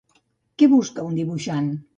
Què busca un dibuixant?